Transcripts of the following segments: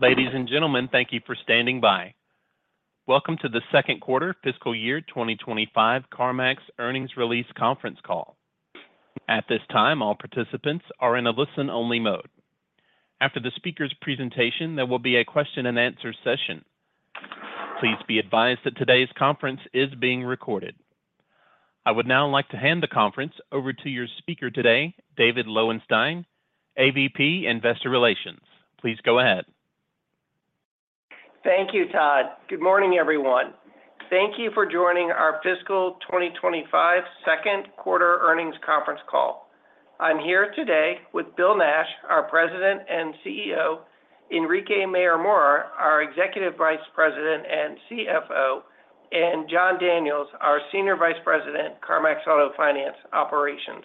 Ladies and gentlemen, thank you for standing by. Welcome to the second quarter fiscal year twenty twenty-five CarMax Earnings Release Conference Call. At this time, all participants are in a listen-only mode. After the speaker's presentation, there will be a question-and-answer session. Please be advised that today's conference is being recorded. I would now like to hand the conference over to your speaker today, David Lowenstein, AVP, Investor Relations. Please go ahead. Thank you, Todd. Good morning, everyone. Thank you for joining our fiscal twenty twenty-five second quarter earnings conference call. I'm here today with Bill Nash, our President and CEO, Enrique Mayorga, our Executive Vice President and CFO, and Jon Daniels, our Senior Vice President, CarMax Auto Finance Operations.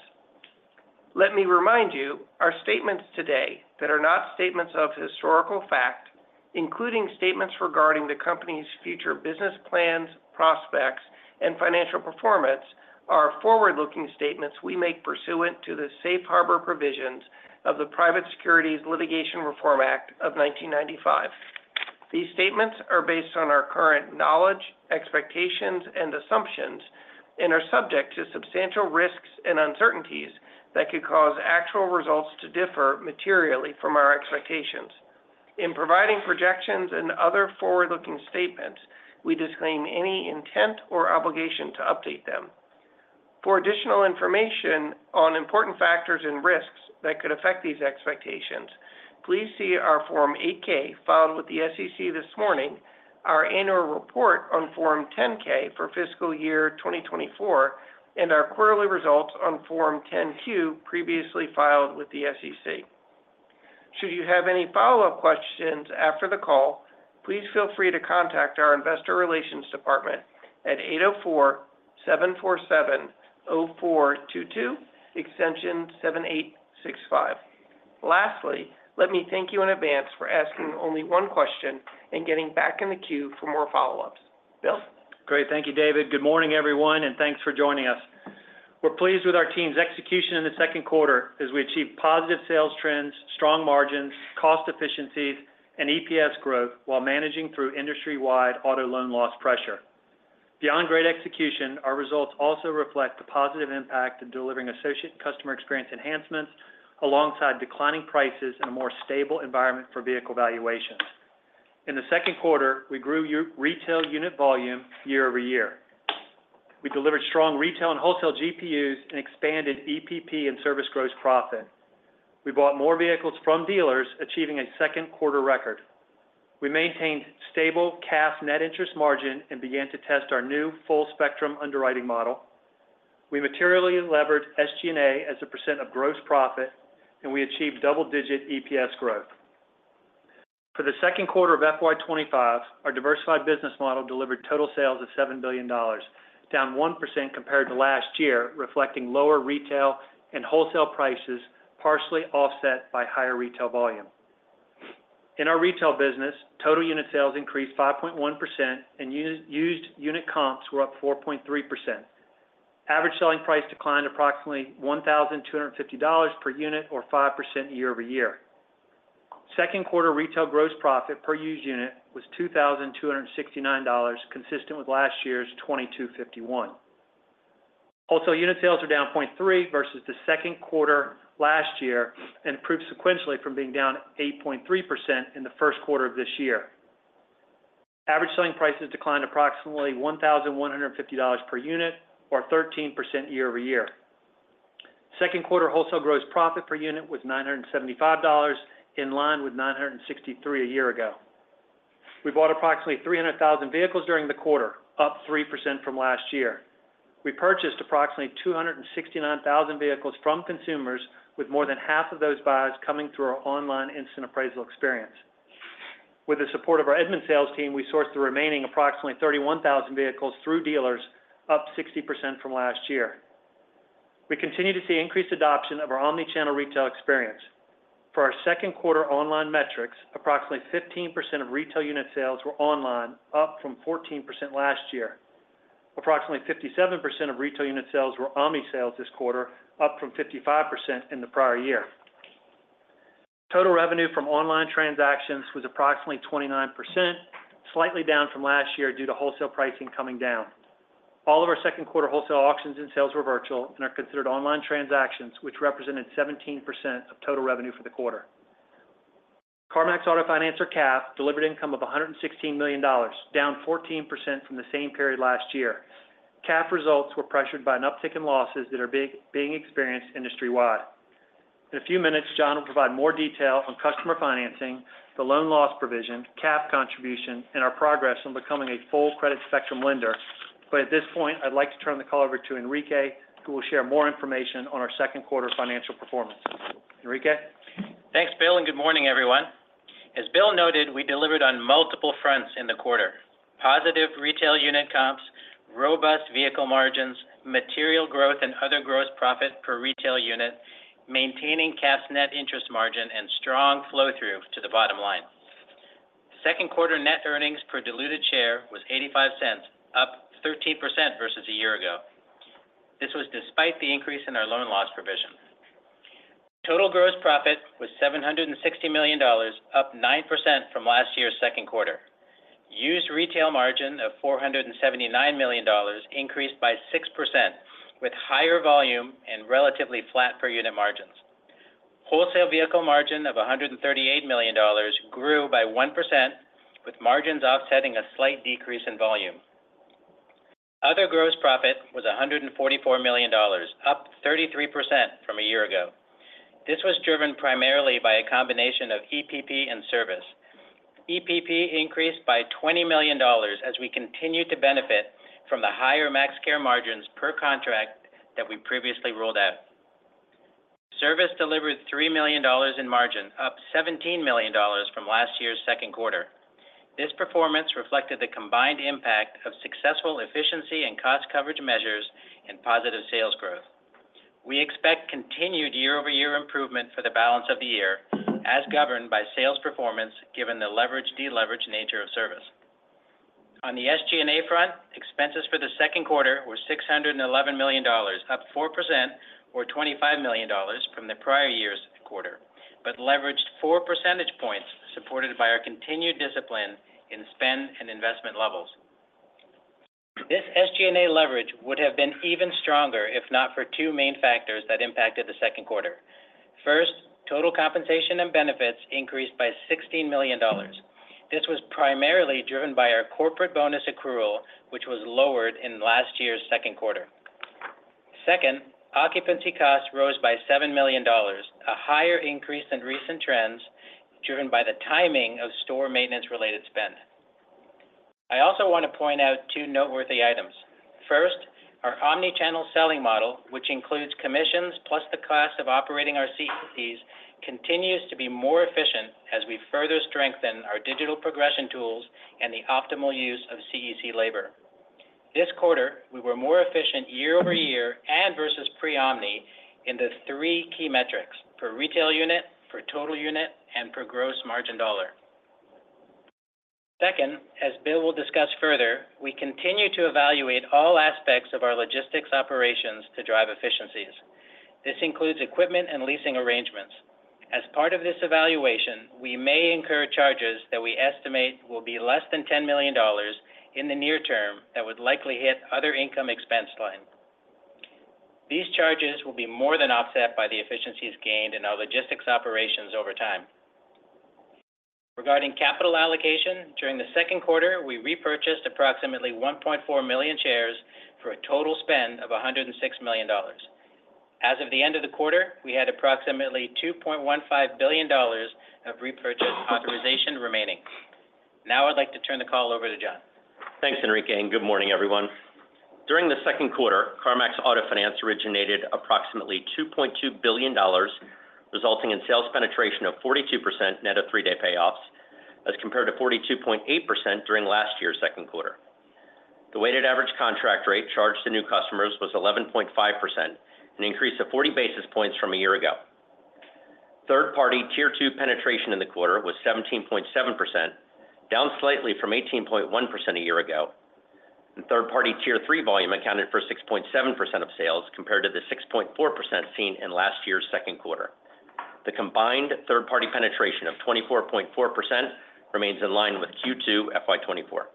Let me remind you, our statements today that are not statements of historical fact, including statements regarding the company's future business plans, prospects, and financial performance, are forward-looking statements we make pursuant to the Safe Harbor Provisions of the Private Securities Litigation Reform Act of nineteen ninety-five. These statements are based on our current knowledge, expectations, and assumptions and are subject to substantial risks and uncertainties that could cause actual results to differ materially from our expectations. In providing projections and other forward-looking statements, we disclaim any intent or obligation to update them. For additional information on important factors and risks that could affect these expectations, please see our Form 8-K filed with the SEC this morning, our annual report on Form 10-K for fiscal year 2024, and our quarterly results on Form 10-Q, previously filed with the SEC. Should you have any follow-up questions after the call, please feel free to contact our Investor Relations Department at 804-747-0422, extension 7865. Lastly, let me thank you in advance for asking only one question and getting back in the queue for more follow-ups. Bill? Great. Thank you, David. Good morning, everyone, and thanks for joining us. We're pleased with our team's execution in the second quarter as we achieved positive sales trends, strong margins, cost efficiencies, and EPS growth while managing through industry-wide auto loan loss pressure. Beyond great execution, our results also reflect the positive impact of delivering associate and customer experience enhancements, alongside declining prices and a more stable environment for vehicle valuations. In the second quarter, we grew our retail unit volume year over year. We delivered strong retail and wholesale GPUs and expanded EPP and service gross profit. We bought more vehicles from dealers, achieving a second quarter record. We maintained stable cash net interest margin and began to test our new full spectrum underwriting model. We materially levered SG&A as a percent of gross profit, and we achieved double-digit EPS growth. For the second quarter of FY 2025, our diversified business model delivered total sales of $7 billion, down 1% compared to last year, reflecting lower retail and wholesale prices, partially offset by higher retail volume. In our retail business, total unit sales increased 5.1% and used unit comps were up 4.3%. Average selling price declined approximately $1,250 per unit or 5% year over year. Second quarter retail gross profit per used unit was $2,269, consistent with last year's $2,251. Wholesale unit sales are down 0.3% versus the second quarter last year, and improved sequentially from being down 8.3% in the first quarter of this year. Average selling prices declined approximately $1,150 per unit or 13% year over year. Second quarter wholesale gross profit per unit was $975, in line with $963 a year ago. We bought approximately 300,000 vehicles during the quarter, up 3% from last year. We purchased approximately 269,000 vehicles from consumers, with more than half of those buyers coming through our online Instant Appraisal experience. With the support of our Edmunds sales team, we sourced the remaining approximately 31,000 vehicles through dealers, up 60% from last year. We continue to see increased adoption of our omnichannel retail experience. For our second quarter online metrics, approximately 15% of retail unit sales were online, up from 14% last year. Approximately 57% of retail unit sales were omni sales this quarter, up from 55% in the prior year. Total revenue from online transactions was approximately 29%, slightly down from last year due to wholesale pricing coming down. All of our second-quarter wholesale auctions and sales were virtual and are considered online transactions, which represented 17% of total revenue for the quarter. CarMax Auto Finance, CAF, delivered income of $116 million, down 14% from the same period last year. CAF results were pressured by an uptick in losses that are being experienced industry-wide. In a few minutes, John will provide more detail on customer financing, the loan loss provision, CAF contribution, and our progress on becoming a full credit spectrum lender. At this point, I'd like to turn the call over to Enrique, who will share more information on our second quarter financial performance. Enrique? Thanks, Bill, and good morning, everyone. As Bill noted, we delivered on multiple fronts in the quarter. Positive retail unit comps, robust vehicle margins, material growth and other gross profit per retail unit, maintaining cash net interest margin, and strong flow-through to the bottom line. Second quarter net earnings per diluted share was $0.85, up 13% versus a year ago. ...This was despite the increase in our loan loss provisions. Total gross profit was $760 million, up 9% from last year's second quarter. Used retail margin of $479 million increased by 6%, with higher volume and relatively flat per unit margins. Wholesale vehicle margin of $138 million grew by 1%, with margins offsetting a slight decrease in volume. Other gross profit was $144 million, up 33% from a year ago. This was driven primarily by a combination of EPP and service. EPP increased by $20 million as we continued to benefit from the higher MaxCare margins per contract that we previously rolled out. Service delivered $3 million in margin, up $17 million from last year's second quarter. This performance reflected the combined impact of successful efficiency and cost coverage measures and positive sales growth. We expect continued year-over-year improvement for the balance of the year as governed by sales performance, given the leverage, deleverage nature of service. On the SG&A front, expenses for the second quarter were $611 million, up 4% or $25 million from the prior year's quarter, but leveraged four percentage points, supported by our continued discipline in spend and investment levels. This SG&A leverage would have been even stronger if not for two main factors that impacted the second quarter. First, total compensation and benefits increased by $16 million. This was primarily driven by our corporate bonus accrual, which was lowered in last year's second quarter. Second, occupancy costs rose by $7 million, a higher increase than recent trends, driven by the timing of store maintenance-related spend. I also want to point out two noteworthy items. First, our omni-channel selling model, which includes commissions plus the cost of operating our CECs, continues to be more efficient as we further strengthen our digital progression tools and the optimal use of CEC labor. This quarter, we were more efficient year over year and versus pre-omni in the three key metrics: per retail unit, per total unit, and per gross margin dollar. Second, as Bill will discuss further, we continue to evaluate all aspects of our logistics operations to drive efficiencies. This includes equipment and leasing arrangements. As part of this evaluation, we may incur charges that we estimate will be less than $10 million in the near term that would likely hit other income expense line. These charges will be more than offset by the efficiencies gained in our logistics operations over time. Regarding capital allocation, during the second quarter, we repurchased approximately 1.4 million shares for a total spend of $106 million. As of the end of the quarter, we had approximately $2.15 billion of repurchased authorization remaining. Now I'd like to turn the call over to John. Thanks, Enrique, and good morning, everyone. During the second quarter, CarMax Auto Finance originated approximately $2.2 billion, resulting in sales penetration of 42% net of three-day payoffs, as compared to 42.8% during last year's second quarter. The weighted average contract rate charged to new customers was 11.5%, an increase of forty basis points from a year ago. Third-party Tier 2 penetration in the quarter was 17.7%, down slightly from 18.1% a year ago, and third-party Tier three volume accounted for 6.7% of sales, compared to the 6.4% seen in last year's second quarter. The combined third-party penetration of 24.4% remains in line with Q2 FY 2024.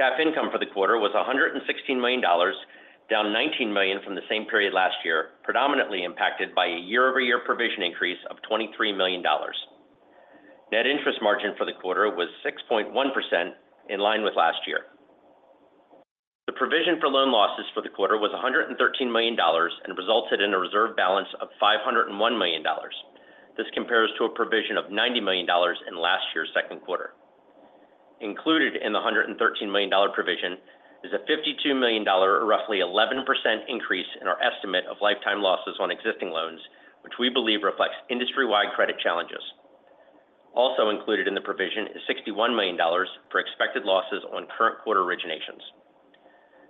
CAF income for the quarter was $116 million, down $19 million from the same period last year, predominantly impacted by a year-over-year provision increase of $23 million. Net interest margin for the quarter was 6.1%, in line with last year. The provision for loan losses for the quarter was $113 million and resulted in a reserve balance of $501 million. This compares to a provision of $90 million in last year's second quarter. Included in the $113 million provision is a $52 million, roughly 11% increase in our estimate of lifetime losses on existing loans, which we believe reflects industry-wide credit challenges. Also included in the provision is $61 million for expected losses on current quarter originations.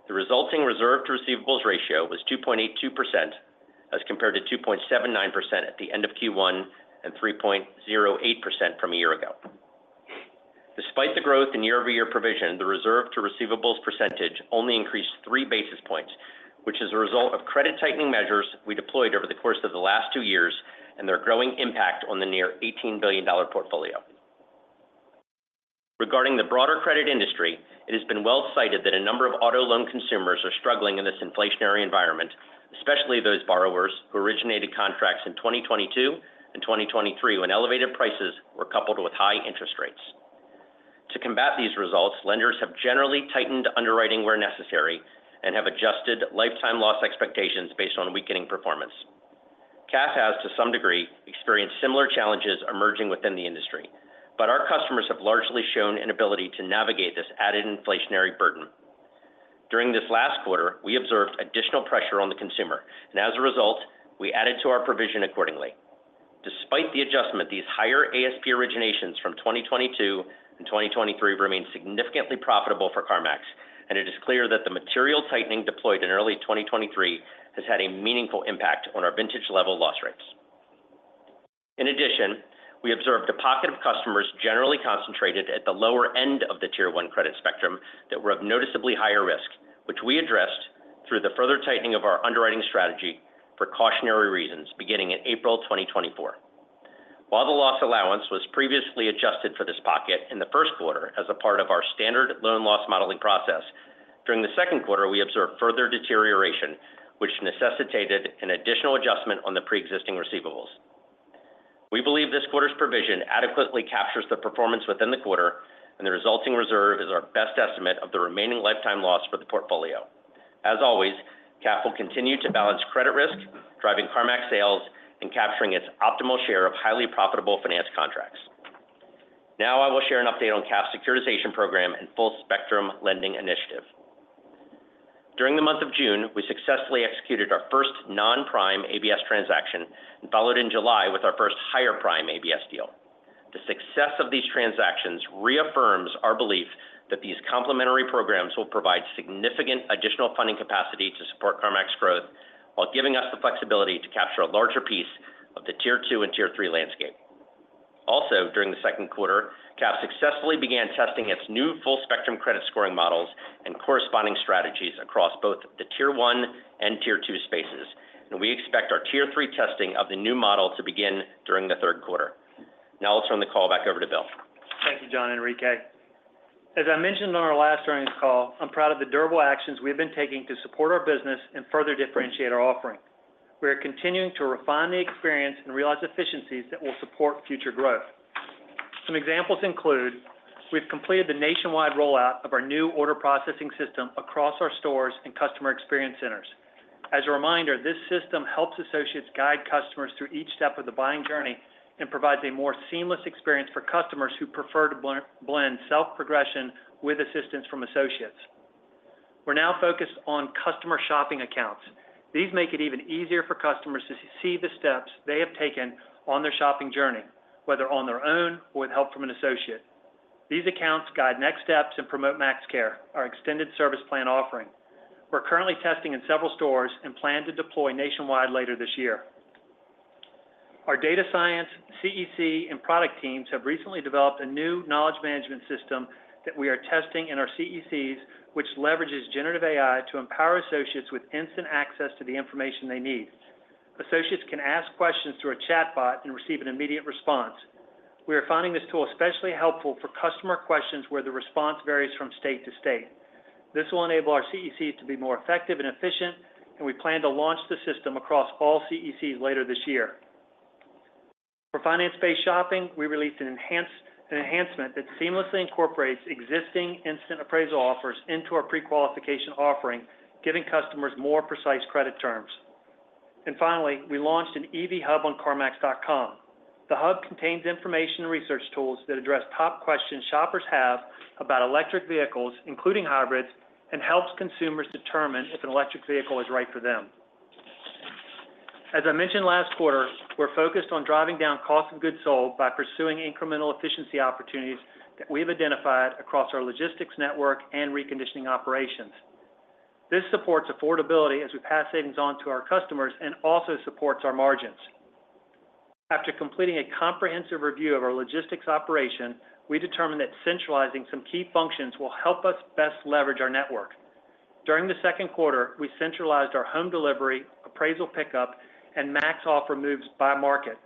The resulting reserve to receivables ratio was 2.82%, as compared to 2.79% at the end of Q1 and 3.08% from a year ago. Despite the growth in year-over-year provision, the reserve to receivables percentage only increased three basis points, which is a result of credit tightening measures we deployed over the course of the last two years and their growing impact on the near $18 billion portfolio. Regarding the broader credit industry, it has been well cited that a number of auto loan consumers are struggling in this inflationary environment, especially those borrowers who originated contracts in 2022 and 2023, when elevated prices were coupled with high interest rates. To combat these results, lenders have generally tightened underwriting where necessary and have adjusted lifetime loss expectations based on weakening performance. CAF has, to some degree, experienced similar challenges emerging within the industry, but our customers have largely shown an ability to navigate this added inflationary burden. During this last quarter, we observed additional pressure on the consumer, and as a result, we added to our provision accordingly. Despite the adjustment, these higher ASP originations from twenty twenty-two and twenty twenty-three remain significantly profitable for CarMax, and it is clear that the material tightening deployed in early twenty twenty-three has had a meaningful impact on our vintage level loss rates. In addition, we observed a pocket of customers generally concentrated at the lower end of the Tier 1 credit spectrum that were of noticeably higher risk, which we addressed through the further tightening of our underwriting strategy for cautionary reasons, beginning in April twenty twenty-four. While the loss allowance was previously adjusted for this pocket in the first quarter as a part of our standard loan loss modeling process, during the second quarter, we observed further deterioration, which necessitated an additional adjustment on the preexisting receivables. We believe this quarter's provision adequately captures the performance within the quarter, and the resulting reserve is our best estimate of the remaining lifetime loss for the portfolio. As always, CAF will continue to balance credit risk, driving CarMax sales, and capturing its optimal share of highly profitable finance contracts. Now, I will share an update on CAF's securitization program and full spectrum lending initiative. During the month of June, we successfully executed our first non-prime ABS transaction, and followed in July with our first higher prime ABS deal. The success of these transactions reaffirms our belief that these complementary programs will provide significant additional funding capacity to support CarMax growth, while giving us the flexibility to capture a larger piece of the tier two and tier three landscape. Also, during the second quarter, CAF successfully began testing its new full spectrum credit scoring models and corresponding strategies across both the Tier 1 and tier two spaces, and we expect our tier three testing of the new model to begin during the third quarter. Now I'll turn the call back over to Bill. Thank you, Enrique. As I mentioned on our last earnings call, I'm proud of the durable actions we've been taking to support our business and further differentiate our offering. We are continuing to refine the experience and realize efficiencies that will support future growth. Some examples include: we've completed the nationwide rollout of our new order processing system across our stores and customer experience centers. As a reminder, this system helps associates guide customers through each step of the buying journey and provides a more seamless experience for customers who prefer to blend self-progression with assistance from associates. We're now focused on customer shopping accounts. These make it even easier for customers to see the steps they have taken on their shopping journey, whether on their own or with help from an associate. These accounts guide next steps and promote MaxCare, our extended service plan offering. We're currently testing in several stores and plan to deploy nationwide later this year. Our data science, CEC, and product teams have recently developed a new knowledge management system that we are testing in our CECs, which leverages generative AI to empower associates with instant access to the information they need. Associates can ask questions through a chatbot and receive an immediate response. We are finding this tool especially helpful for customer questions, where the response varies from state to state. This will enable our CECs to be more effective and efficient, and we plan to launch the system across all CECs later this year. For finance-based shopping, we released an enhancement that seamlessly incorporates existing instant appraisal offers into our prequalification offering, giving customers more precise credit terms, and finally, we launched an EV Hub on carmax.com. The hub contains information and research tools that address top questions shoppers have about electric vehicles, including hybrids, and helps consumers determine if an electric vehicle is right for them. As I mentioned last quarter, we're focused on driving down cost of goods sold by pursuing incremental efficiency opportunities that we have identified across our logistics network and reconditioning operations. This supports affordability as we pass savings on to our customers and also supports our margins. After completing a comprehensive review of our logistics operation, we determined that centralizing some key functions will help us best leverage our network. During the second quarter, we centralized our home delivery, appraisal pickup, and MaxOffer moves by market.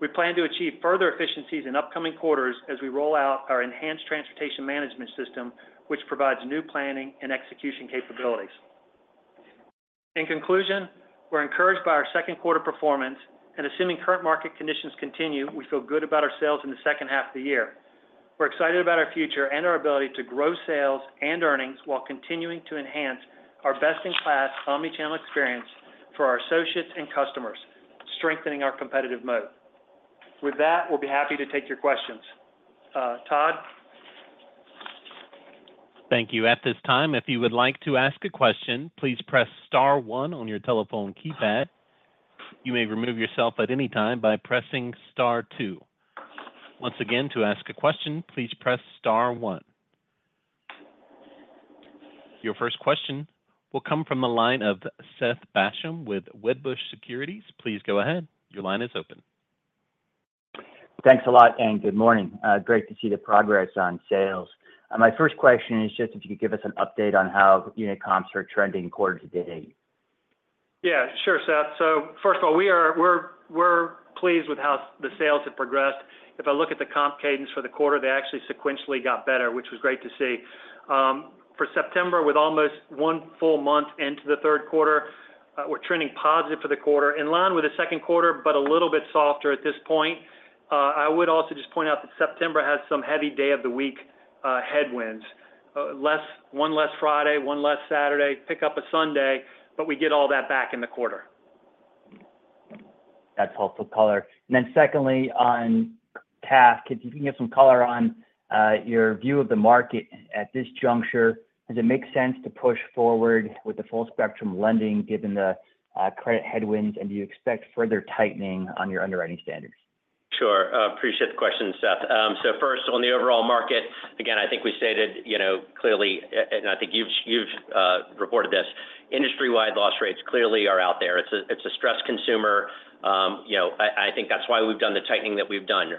We plan to achieve further efficiencies in upcoming quarters as we roll out our enhanced transportation management system, which provides new planning and execution capabilities. In conclusion, we're encouraged by our second quarter performance, and assuming current market conditions continue, we feel good about our sales in the second half of the year. We're excited about our future and our ability to grow sales and earnings while continuing to enhance our best-in-class omnichannel experience for our associates and customers, strengthening our competitive moat. With that, we'll be happy to take your questions. Todd? Thank you. At this time, if you would like to ask a question, please press star one on your telephone keypad. You may remove yourself at any time by pressing star two. Once again, to ask a question, please press star one. Your first question will come from the line of Seth Basham with Wedbush Securities. Please go ahead. Your line is open. Thanks a lot, and good morning. Great to see the progress on sales. My first question is just if you could give us an update on how unit comps are trending quarter to date. Yeah, sure, Seth. So first of all, we're pleased with how the sales have progressed. If I look at the comp cadence for the quarter, they actually sequentially got better, which was great to see. For September, with almost one full month into the third quarter, we're trending positive for the quarter, in line with the second quarter, but a little bit softer at this point. I would also just point out that September has some heavy day of the week headwinds. One less Friday, one less Saturday, pick up a Sunday, but we get all that back in the quarter. That's helpful color. And then secondly, on task, if you can give some color on your view of the market at this juncture, does it make sense to push forward with the full spectrum lending, given the credit headwinds, and do you expect further tightening on your underwriting standards?... Sure, appreciate the question, Seth. So first, on the overall market, again, I think we stated, you know, clearly, and I think you've reported this, industry-wide loss rates clearly are out there. It's a stressed consumer. You know, I think that's why we've done the tightening that we've done.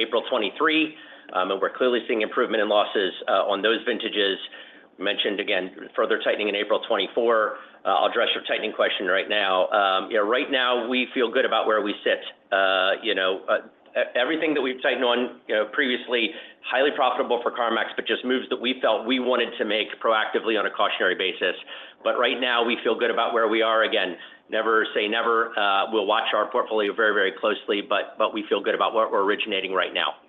April 2023, and we're clearly seeing improvement in losses, on those vintages. Mentioned again, further tightening in April 2024. I'll address your tightening question right now. You know, right now, we feel good about where we sit. You know, everything that we've tightened on, you know, previously, highly profitable for CarMax, but just moves that we felt we wanted to make proactively on a cautionary basis. But right now, we feel good about where we are. Again, never say never. We'll watch our portfolio very, very closely, but we feel good about what we're originating right now.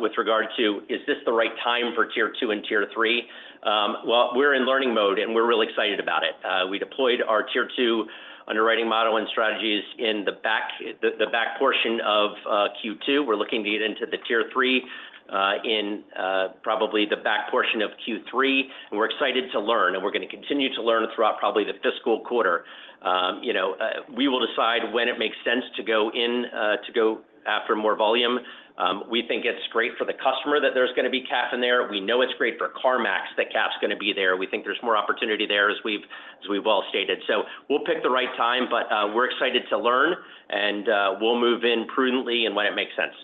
With regard to, is this the right time for tier two and tier three? Well, we're in learning mode, and we're really excited about it. We deployed our tier two underwriting model and strategies in the back portion of Q2. We're looking to get into the tier three in probably the back portion of Q3, and we're excited to learn, and we're going to continue to learn throughout probably the fiscal quarter. You know, we will decide when it makes sense to go in to go after more volume. We think it's great for the customer that there's going to be CAF in there. We know it's great for CarMax, that CAF's going to be there. We think there's more opportunity there, as we've all stated. So we'll pick the right time, but we're excited to learn, and we'll move in prudently and when it makes sense.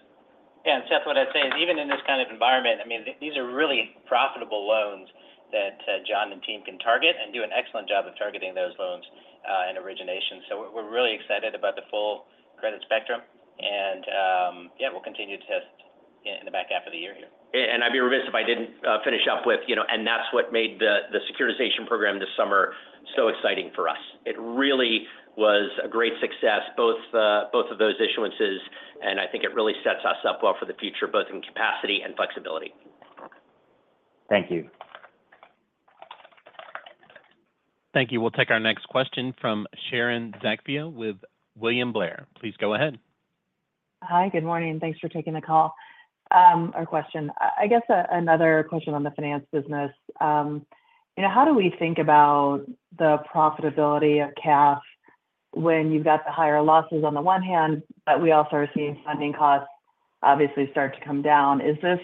Yeah, and Seth, what I'd say is, even in this kind of environment, I mean, these are really profitable loans that John and team can target and do an excellent job of targeting those loans and origination. So we're really excited about the full credit spectrum, and yeah, we'll continue to test in the back half of the year here. And I'd be remiss if I didn't finish up with, you know. And that's what made the securitization program this summer so exciting for us. It really was a great success, both of those issuances, and I think it really sets us up well for the future, both in capacity and flexibility. Thank you. Thank you. We'll take our next question from Sharon Zackfia with William Blair. Please go ahead. Hi, good morning, and thanks for taking the call, or question. I guess, another question on the finance business. You know, how do we think about the profitability of CAF when you've got the higher losses on the one hand, but we also are seeing funding costs obviously start to come down? Is this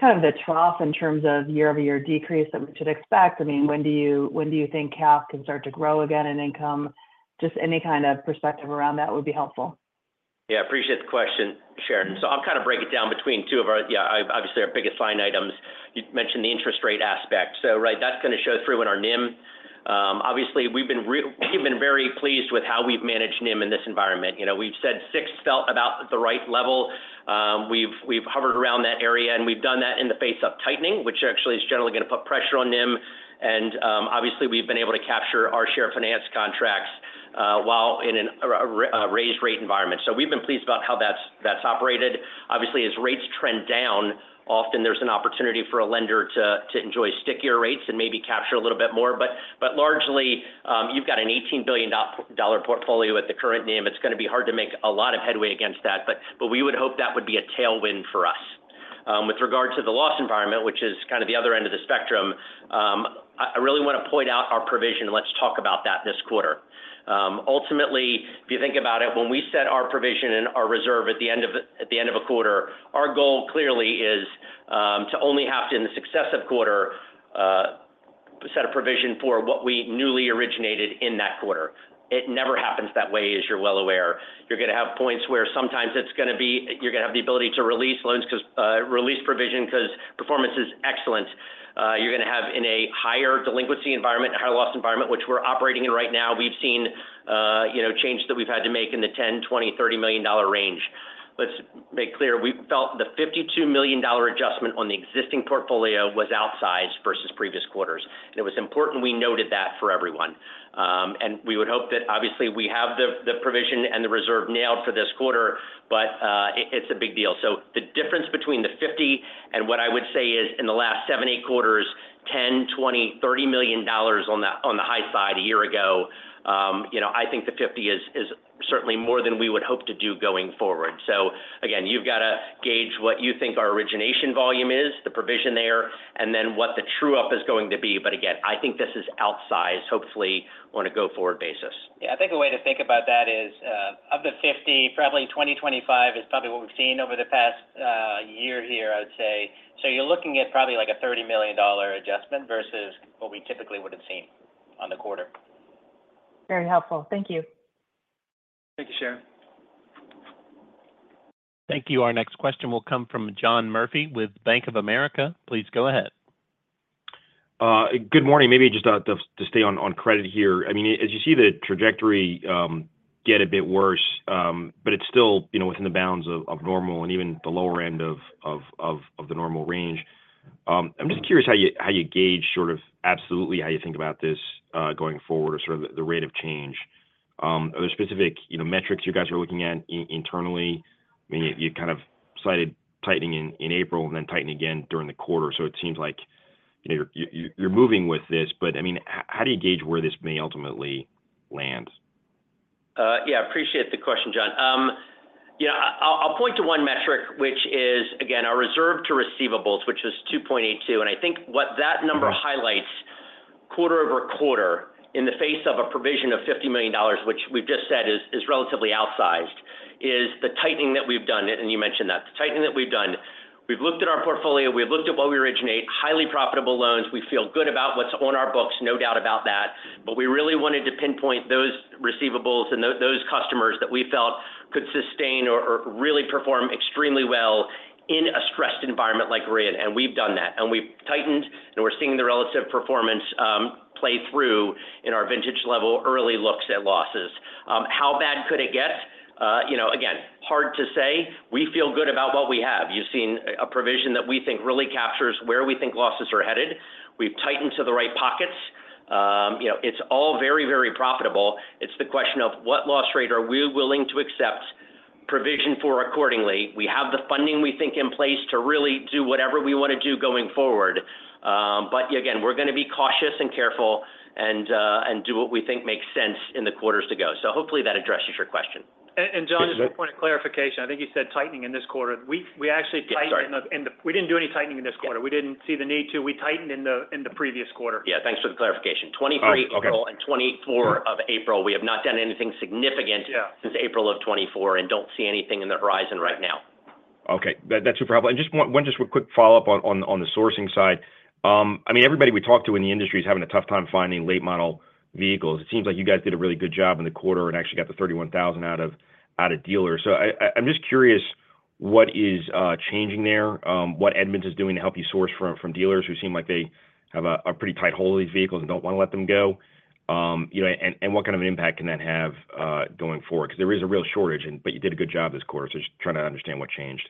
kind of the trough in terms of year-over-year decrease that we should expect? I mean, when do you think CAF can start to grow again in income? Just any kind of perspective around that would be helpful. Yeah, appreciate the question, Sharon. So I'll kind of break it down between two of our, obviously, our biggest line items. You mentioned the interest rate aspect. So right, that's going to show through in our NIM. Obviously, we've been very pleased with how we've managed NIM in this environment. You know, we've said six felt about the right level. We've hovered around that area, and we've done that in the face of tightening, which actually is generally going to put pressure on NIM, and obviously, we've been able to capture our share of finance contracts, while in a raised rate environment. So we've been pleased about how that's operated. Obviously, as rates trend down, often there's an opportunity for a lender to enjoy stickier rates and maybe capture a little bit more. But largely, you've got an $18 billion dollar portfolio at the current NIM. It's going to be hard to make a lot of headway against that, but we would hope that would be a tailwind for us. With regard to the loss environment, which is kind of the other end of the spectrum, I really want to point out our provision, and let's talk about that this quarter. Ultimately, if you think about it, when we set our provision and our reserve at the end of a quarter, our goal, clearly, is to only have to, in the successive quarter, set a provision for what we newly originated in that quarter. It never happens that way, as you're well aware. You're going to have points where sometimes it's going to be, you're going to have the ability to release loans because release provision because performance is excellent. You're going to have in a higher delinquency environment, a higher loss environment, which we're operating in right now. We've seen changes that we've had to make in the $10, $20, $30 million range. Let's make clear, we felt the $52 million adjustment on the existing portfolio was outsized versus previous quarters, and it was important we noted that for everyone. And we would hope that, obviously, we have the provision and the reserve nailed for this quarter, but it's a big deal. So the difference between the $50 million and what I would say is, in the last seven, eight quarters, $10 million, $20 million, $30 million on the high side a year ago, you know, I think the $50 million is certainly more than we would hope to do going forward. So again, you've got to gauge what you think our origination volume is, the provision there, and then what the true-up is going to be. But again, I think this is outsized, hopefully, on a go-forward basis. Yeah, I think a way to think about that is, of the 50, probably 20, 25 is probably what we've seen over the past, year here, I would say. So you're looking at probably, like, a $30 million adjustment versus what we typically would have seen on the quarter. Very helpful. Thank you. Thank you, Sharon. Thank you. Our next question will come from John Murphy with Bank of America. Please go ahead. Good morning. Maybe just to stay on credit here. I mean, as you see the trajectory get a bit worse, but it's still, you know, within the bounds of the normal range. I'm just curious how you gauge sort of absolutely how you think about this going forward or sort of the rate of change. Are there specific, you know, metrics you guys are looking at internally? I mean, you kind of cited tightening in April and then tightening again during the quarter, so it seems like, you know, you're moving with this. But, I mean, how do you gauge where this may ultimately land? Yeah, appreciate the question, John. Yeah, I'll point to one metric, which is, again, our Reserve to Receivables, which is 2.82, and I think what that number highlights quarter over quarter, in the face of a provision of $50 million, which we've just said is relatively outsized, is the tightening that we've done, and you mentioned that. The tightening that we've done, we've looked at our portfolio, we've looked at what we originate, highly profitable loans. We feel good about what's on our books, no doubt about that, but we really wanted to pinpoint those receivables and those customers that we felt could sustain or really perform extremely well in a stressed environment like RID, and we've done that. And we've tightened, and we're seeing the relative performance play through in our vintage level, early looks at losses. How bad could it get? You know, again, hard to say. We feel good about what we have. You've seen a provision that we think really captures where we think losses are headed. We've tightened to the right pockets. You know, it's all very, very profitable. It's the question of what loss rate are we willing to accept provision for accordingly. We have the funding we think in place to really do whatever we wanna do going forward. But again, we're gonna be cautious and careful and do what we think makes sense in the quarters to go. So hopefully that addresses your question. And John, just a point of clarification. I think you said tightening in this quarter. We actually tightened- Yeah, sorry. We didn't do any tightening in this quarter. Yeah. We didn't see the need to. We tightened in the previous quarter. Yeah, thanks for the clarification. Oh, okay. Twenty-three April and twenty-four of April, we have not done anything significant- Yeah... since April of 2024, and don't see anything in the horizon right now. Okay. That's super helpful. And just one just quick follow-up on the sourcing side. I mean, everybody we talk to in the industry is having a tough time finding late model vehicles. It seems like you guys did a really good job in the quarter and actually got the thirty-one thousand out of dealers. So I'm just curious, what is changing there, what Edmunds is doing to help you source from dealers who seem like they have a pretty tight hold of these vehicles and don't wanna let them go? You know, and what kind of an impact can that have going forward? 'Cause there is a real shortage and but you did a good job this quarter, so just trying to understand what changed.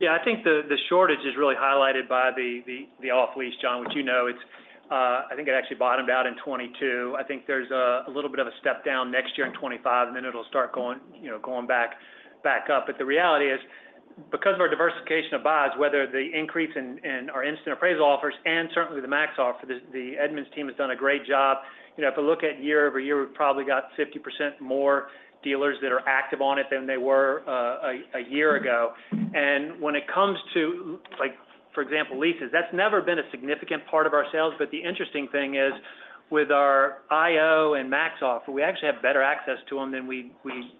Yeah, I think the shortage is really highlighted by the off lease, John, which you know, it's, I think it actually bottomed out in twenty twenty-two. I think there's a little bit of a step down next year in twenty twenty-five, and then it'll start going, you know, going back up. But the reality is, because of our diversification of buys, whether the increase in our Instant Appraisal offers and certainly the MaxOffer, the Edmunds team has done a great job. You know, if you look at year over year, we've probably got 50% more dealers that are active on it than they were a year ago. And when it comes to, like, for example, leases, that's never been a significant part of our sales. But the interesting thing is, with our IO and MaxOffer, we actually have better access to them than we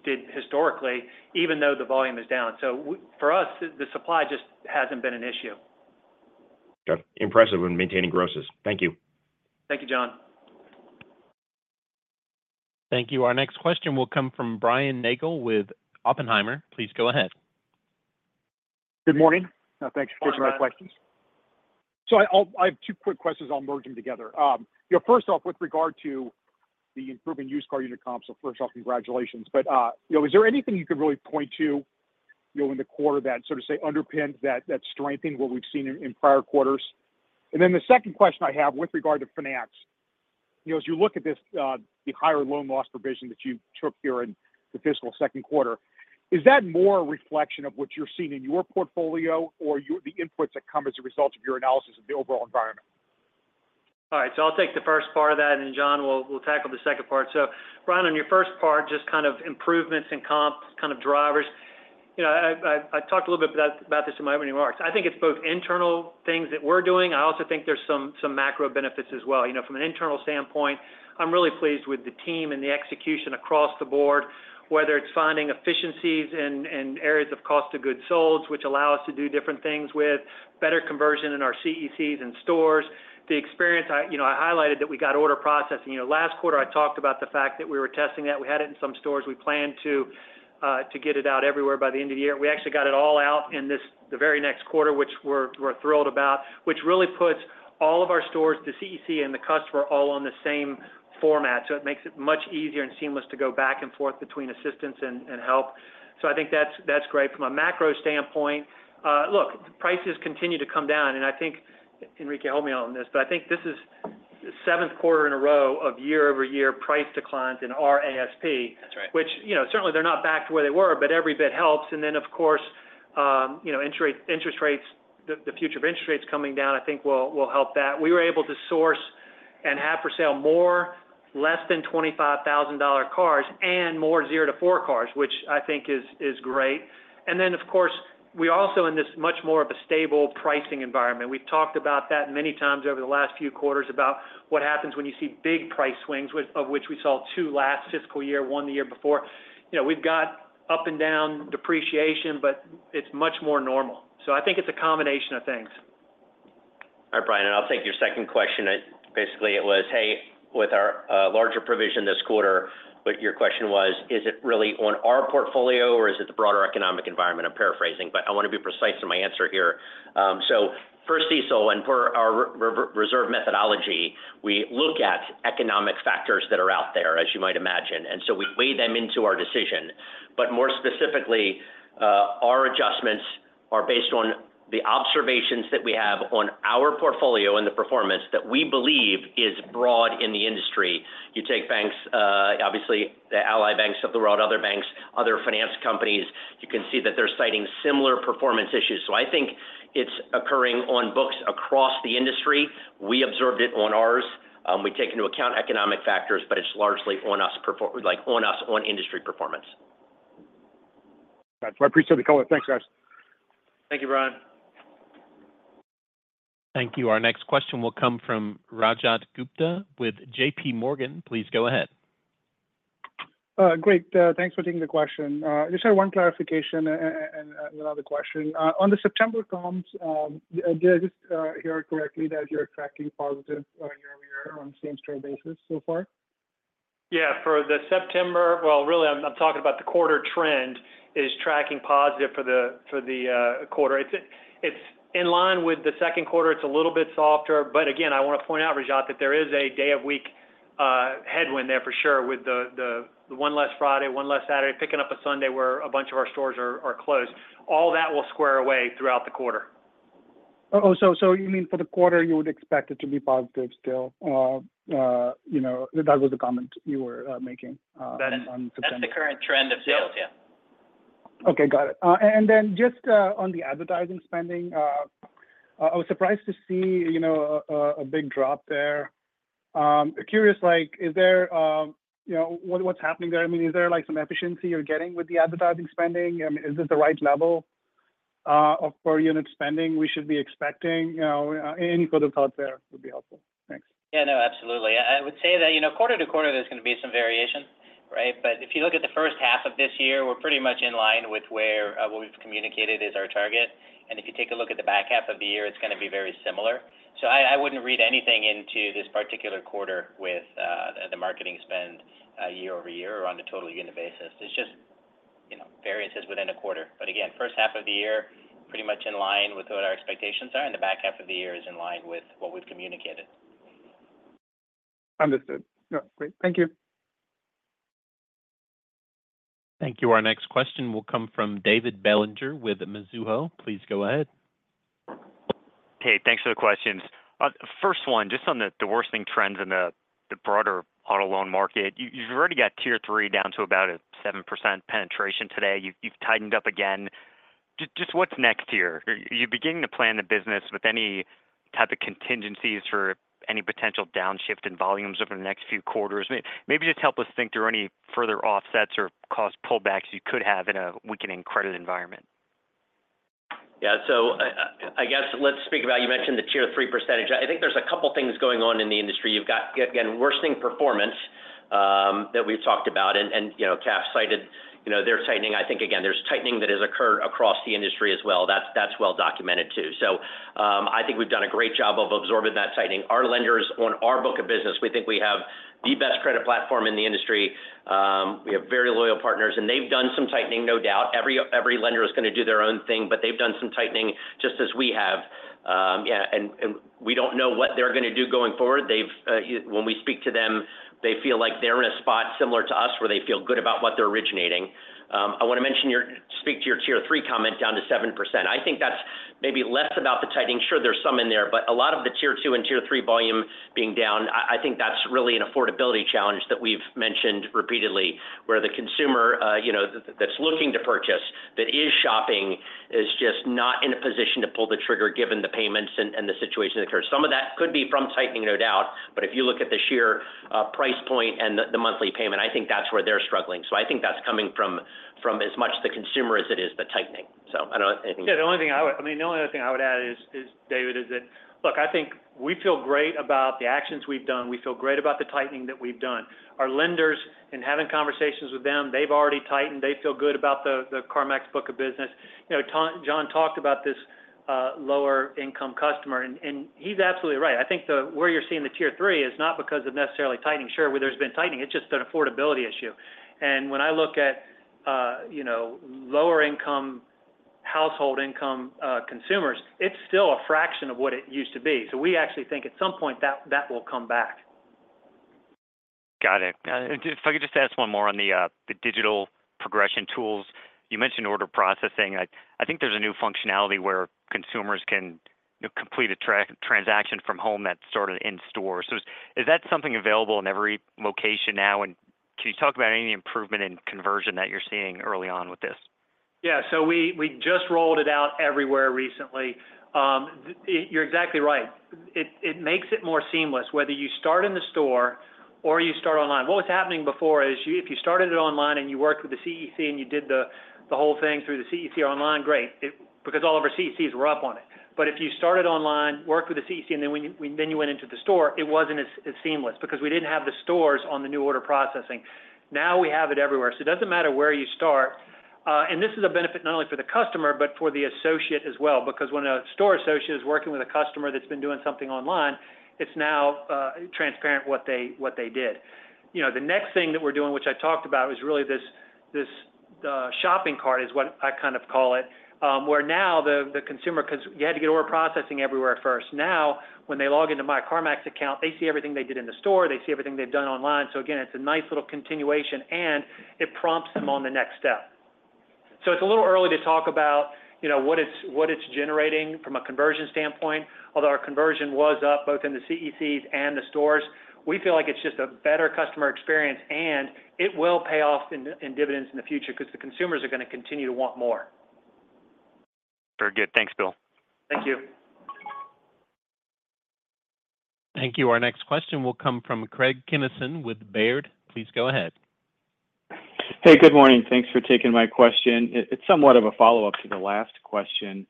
did historically, even though the volume is down. So for us, the supply just hasn't been an issue. Okay. Impressive when maintaining grosses. Thank you. Thank you, John. Thank you. Our next question will come from Brian Nagel with Oppenheimer. Please go ahead. Good morning. Thanks for my questions. So I have two quick questions. I'll merge them together. You know, first off, with regard to the improving used car unit comps, so first off, congratulations. But you know, is there anything you could really point to, you know, in the quarter that sort of say underpins that strengthening what we've seen in prior quarters? And then the second question I have with regard to finance, you know, as you look at this, the higher loan loss provision that you took here in the fiscal second quarter, is that more a reflection of what you're seeing in your portfolio or the inputs that come as a result of your analysis of the overall environment? All right, so I'll take the first part of that, and John, we'll tackle the second part. So Brian, on your first part, just kind of improvements in comps, kind of drivers. You know, I talked a little bit about this in my opening remarks. I think it's both internal things that we're doing. I also think there's some macro benefits as well. You know, from an internal standpoint, I'm really pleased with the team and the execution across the board, whether it's finding efficiencies in areas of cost of goods sold, which allow us to do different things with better conversion in our CECs and stores. The experience I... You know, I highlighted that we got order processing. You know, last quarter, I talked about the fact that we were testing that. We had it in some stores. We planned to get it out everywhere by the end of the year. We actually got it all out in this, the very next quarter, which we're thrilled about, which really puts all of our stores, the CEC and the customer, all on the same format. So it makes it much easier and seamless to go back and forth between assistance and help. So I think that's great. From a macro standpoint, look, prices continue to come down, and I think, Enrique, help me out on this, but I think this is seventh quarter in a row of year-over-year price declines in our ASP. That's right. Which, you know, certainly they're not back to where they were, but every bit helps. And then, of course, you know, interest rates, the future of interest rates coming down, I think, will help that. We were able to source and have for sale more less than $25,000 cars and more zero to four cars, which I think is great. And then, of course, we're also in this much more of a stable pricing environment. We've talked about that many times over the last few quarters, about what happens when you see big price swings, of which we saw two last fiscal year, one the year before. You know, we've got up and down depreciation, but it's much more normal. So I think it's a combination of things. All right, Brian, and I'll take your second question. Basically, it was, hey, with our larger provision this quarter, but your question was, is it really on our portfolio or is it the broader economic environment? I'm paraphrasing, but I want to be precise in my answer here. So for CECL and for our reserve methodology, we look at economic factors that are out there, as you might imagine, and so we weigh them into our decision. But more specifically, our adjustments are based on the observations that we have on our portfolio and the performance that we believe is broad in the industry. You take banks, obviously, the Ally banks up the road, other banks, other finance companies, you can see that they're citing similar performance issues. So I think it's occurring on books across the industry. We observed it on ours. We take into account economic factors, but it's largely on us, like, on us, on industry performance. So I appreciate the call. Thanks, guys. Thank you, Brian. Thank you. Our next question will come from Rajat Gupta with J.P. Morgan. Please go ahead. Great, thanks for taking the question. Just have one clarification and another question. On the September comps, did I just hear correctly that you're tracking positive year-over-year on same store basis so far? Yeah, for the September. Well, really, I'm talking about the quarter trend is tracking positive for the quarter. It's in line with the second quarter. It's a little bit softer, but again, I want to point out, Rajat, that there is a day of week headwind there for sure, with the one less Friday, one less Saturday, picking up a Sunday, where a bunch of our stores are closed. All that will square away throughout the quarter. Oh, so, so you mean for the quarter, you would expect it to be positive still? You know, that was the comment you were making on, on September. That's the current trend of sales, yeah. Okay, got it. And then just on the advertising spending, I was surprised to see, you know, a big drop there. Curious, like, is there, you know, what's happening there? I mean, is there, like, some efficiency you're getting with the advertising spending? Is this the right level of per unit spending we should be expecting? You know, any further thoughts there would be helpful. Thanks. Yeah, no, absolutely. I would say that, you know, quarter to quarter, there's going to be some variation, right? But if you look at the first half of this year, we're pretty much in line with where what we've communicated is our target. And if you take a look at the back half of the year, it's going to be very similar. So I wouldn't read anything into this particular quarter with the marketing spend year over year or on a total unit basis. It's just, you know, variances within a quarter. But again, first half of the year, pretty much in line with what our expectations are, and the back half of the year is in line with what we've communicated. Understood. Yeah, great. Thank you. Thank you. Our next question will come from David Bellinger with Mizuho. Please go ahead. Hey, thanks for the questions. First one, just on the worsening trends in the broader auto loan market, you've already got tier three down to about a 7% penetration today. You've tightened up again. Just what's next year? Are you beginning to plan the business with any type of contingencies for any potential downshift in volumes over the next few quarters? Maybe just help us think through any further offsets or cost pullbacks you could have in a weakening credit environment. Yeah. So I guess let's speak about... You mentioned the tier three percentage. I think there's a couple things going on in the industry. You've got, again, worsening performance that we've talked about, and, and, you know, CAF cited, you know, they're tightening. I think, again, there's tightening that has occurred across the industry as well. That's, that's well documented, too. So, I think we've done a great job of absorbing that tightening. Our lenders, on our book of business, we think we have the best credit platform in the industry. We have very loyal partners, and they've done some tightening, no doubt. Every lender is going to do their own thing, but they've done some tightening just as we have. Yeah, and, and we don't know what they're going to do going forward. They've when we speak to them, they feel like they're in a spot similar to us, where they feel good about what they're originating. I want to mention, speak to your tier three comment down to 7%. I think that's maybe less about the tightening. Sure, there's some in there, but a lot of the tier two and tier three volume being down, I think that's really an affordability challenge that we've mentioned repeatedly, where the consumer, you know, that's looking to purchase, that is shopping, is just not in a position to pull the trigger, given the payments and the situation that occurs. Some of that could be from tightening, no doubt, but if you look at the sheer price point and the monthly payment, I think that's where they're struggling. So I think that's coming from as much the consumer as it is the tightening. So I don't know anything- Yeah, the only thing I would... I mean, the only other thing I would add is, David, is that, look, I think we feel great about the actions we've done. We feel great about the tightening that we've done. Our lenders, in having conversations with them, they've already tightened. They feel good about the CarMax book of business. You know, John talked about this, lower income customer, and he's absolutely right. I think where you're seeing the Tier 3 is not because of necessarily tightening. Sure, where there's been tightening, it's just an affordability issue. And when I look at, you know, lower income, household income, consumers, it's still a fraction of what it used to be. So we actually think at some point, that will come back. Got it. If I could just ask one more on the digital progression tools. You mentioned order processing. I think there's a new functionality where consumers can, you know, complete a transaction from home that started in store. So is that something available in every location now? And can you talk about any improvement in conversion that you're seeing early on with this? Yeah, so we just rolled it out everywhere recently. You're exactly right. It makes it more seamless, whether you start in the store or you start online. What was happening before is, if you started it online, and you worked with the CEC, and you did the whole thing through the CEC online, great, because all of our CECs were up on it. But if you started online, worked with the CEC, and then you went into the store, it wasn't as seamless because we didn't have the stores on the new order processing. Now, we have it everywhere, so it doesn't matter where you start, and this is a benefit not only for the customer but for the associate as well. Because when a store associate is working with a customer that's been doing something online, it's now transparent what they did. You know, the next thing that we're doing, which I talked about, is really this shopping cart, is what I kind of call it, where now the consumer, because you had to get order processing everywhere first. Now, when they log into MyCarMax account, they see everything they did in the store, they see everything they've done online. So again, it's a nice little continuation, and it prompts them on the next step. So it's a little early to talk about, you know, what it's generating from a conversion standpoint, although our conversion was up both in the CECs and the stores. We feel like it's just a better customer experience, and it will pay off in dividends in the future because the consumers are going to continue to want more. Very good. Thanks, Bill. Thank you. Thank you. Our next question will come from Craig Kennison with Baird. Please go ahead. Hey, good morning. Thanks for taking my question. It's somewhat of a follow-up to the last question.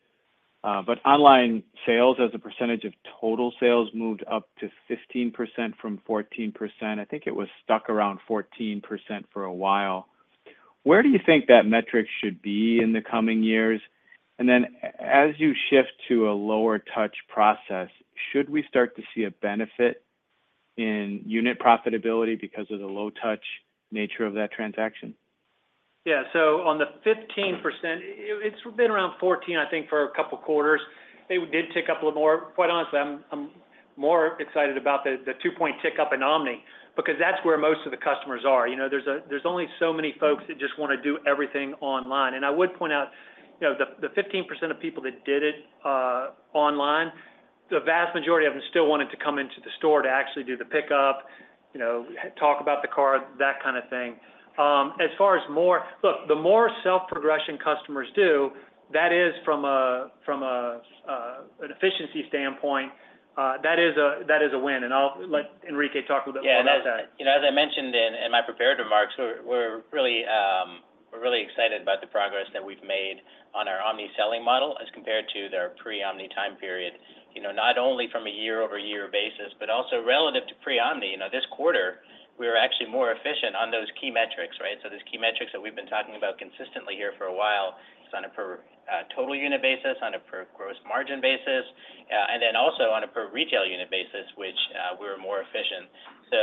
But online sales as a percentage of total sales moved up to 15% from 14%. I think it was stuck around 14% for a while. Where do you think that metric should be in the coming years? And then as you shift to a lower touch process, should we start to see a benefit in unit profitability because of the low touch nature of that transaction? Yeah, so on the 15%, it's been around 14%, I think, for a couple quarters. It did tick up a little more. Quite honestly, I'm more excited about the two-point tick up in Omni, because that's where most of the customers are. You know, there's only so many folks that just wanna do everything online. And I would point out, you know, the 15% of people that did it online, the vast majority of them still wanted to come into the store to actually do the pickup, you know, talk about the car, that kind of thing. As far as more. Look, the more self-progression customers do, that is from an efficiency standpoint, that is a win, and I'll let Enrique talk a little bit about that. Yeah, and as I mentioned in my prepared remarks, we're really excited about the progress that we've made on our Omni selling model as compared to their pre-Omni time period. You know, not only from a year-over-year basis, but also relative to pre-Omni. You know, this quarter, we were actually more efficient on those key metrics, right? So those key metrics that we've been talking about consistently here for a while, it's on a per total unit basis, on a per gross margin basis, and then also on a per retail unit basis, which we're more efficient. So,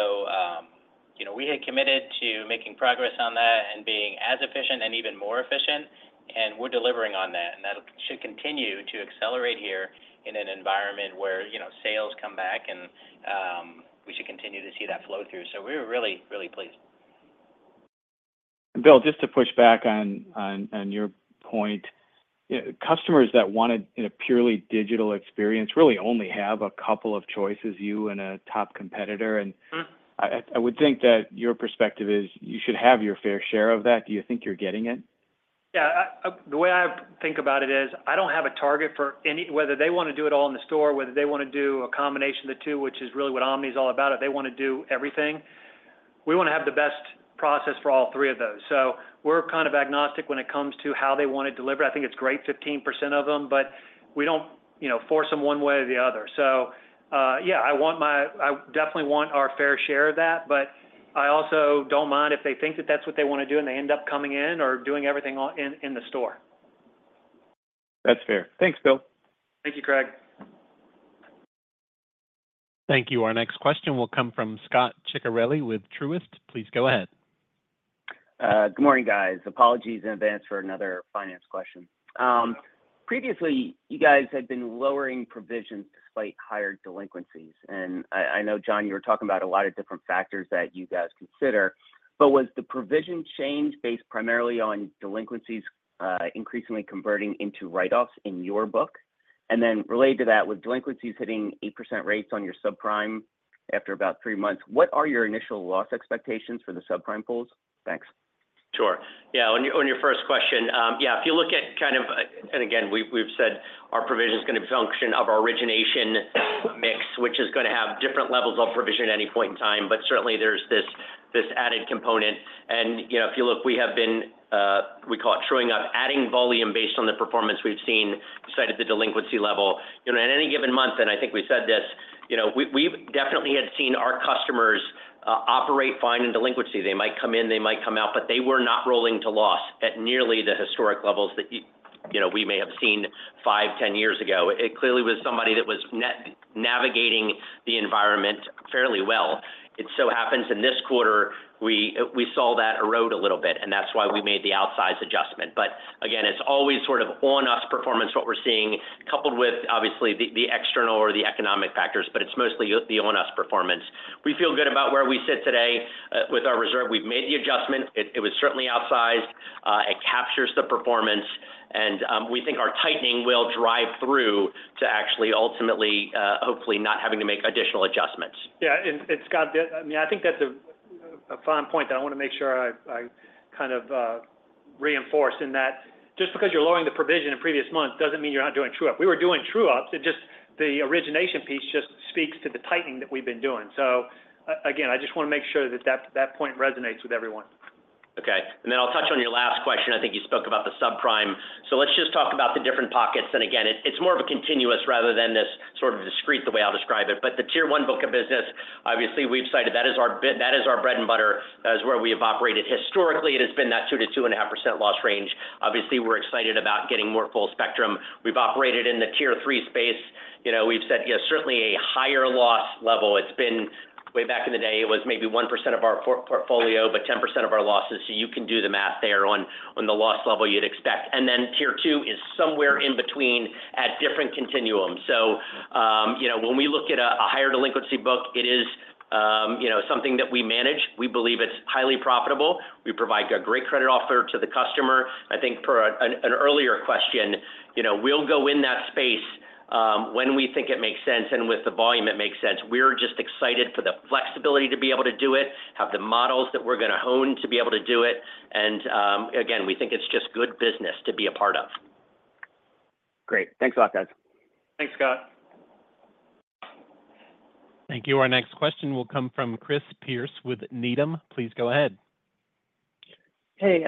you know, we had committed to making progress on that and being as efficient and even more efficient, and we're delivering on that, and that should continue to accelerate here in an environment where, you know, sales come back and, we should continue to see that flow through. So we're really, really pleased. Bill, just to push back on your point, customers that want it in a purely digital experience really only have a couple of choices, you and a top competitor. Mm-hmm. And I would think that your perspective is you should have your fair share of that. Do you think you're getting it? Yeah, the way I think about it is, I don't have a target for any... Whether they wanna do it all in the store, whether they wanna do a combination of the two, which is really what Omni is all about, if they wanna do everything, we wanna have the best process for all three of those. So we're kind of agnostic when it comes to how they wanna deliver. I think it's great 15% of them, but we don't, you know, force them one way or the other. So, yeah, I want my... I definitely want our fair share of that, but I also don't mind if they think that that's what they wanna do, and they end up coming in or doing everything online, in the store. That's fair. Thanks, Bill. Thank you, Craig. Thank you. Our next question will come from Scot Ciccarelli with Truist. Please go ahead. Good morning, guys. Apologies in advance for another finance question. Previously, you guys had been lowering provisions despite higher delinquencies. And I know, John, you were talking about a lot of different factors that you guys consider, but was the provision change based primarily on delinquencies increasingly converting into write-offs in your book? And then related to that, with delinquencies hitting 8% rates on your subprime after about three months, what are your initial loss expectations for the subprime pools? Thanks. Sure. Yeah, on your first question, yeah, if you look at kind of, and again, we've said our provision is going to function of our origination mix, which is gonna have different levels of provision at any point in time, but certainly there's this added component, and you know, if you look, we have been, we call it truing up, adding volume based on the performance we've seen inside of the delinquency level. You know, at any given month, and I think we said this, you know, we've definitely had seen our customers operate fine in delinquency. They might come in, they might come out, but they were not rolling to loss at nearly the historic levels that you know, we may have seen five, 10 years ago. It clearly was somebody that was navigating the environment fairly well. It so happens in this quarter, we saw that erode a little bit, and that's why we made the outsized adjustment. But again, it's always sort of on us performance, what we're seeing, coupled with obviously the external or the economic factors, but it's mostly the on us performance. We feel good about where we sit today with our reserve. We've made the adjustment. It was certainly outsized. It captures the performance, and we think our tightening will drive through to actually ultimately hopefully not having to make additional adjustments. Yeah, and Scott, I mean, I think that's a fine point that I wanna make sure I kind of reinforce in that just because you're lowering the provision in previous months, doesn't mean you're not doing true up. We were doing true ups; it just the origination piece just speaks to the tightening that we've been doing. So again, I just wanna make sure that that point resonates with everyone. Okay. And then I'll touch on your last question. I think you spoke about the subprime. So let's just talk about the different pockets. And again, it's more of a continuous rather than this sort of discrete, the way I'll describe it. But the tier one book of business, obviously, we've cited that is our bread and butter. That is where we have operated. Historically, it has been that 2% to 2.5% loss range. Obviously, we're excited about getting more full spectrum. We've operated in the tier three space. You know, we've said, yes, certainly a higher loss level. It's been way back in the day, it was maybe 1% of our portfolio, but 10% of our losses. So you can do the math there on the loss level you'd expect. And then Tier 2 is somewhere in between at different continuum. So, you know, when we look at a higher delinquency book, it is, you know, something that we manage. We believe it's highly profitable. We provide a great credit offer to the customer. I think for an earlier question, you know, we'll go in that space, when we think it makes sense and with the volume it makes sense. We're just excited for the flexibility to be able to do it, have the models that we're gonna hone to be able to do it, and, again, we think it's just good business to be a part of. Great. Thanks a lot, guys. Thanks, Scott. Thank you. Our next question will come from Chris Pierce with Needham. Please go ahead. Hey,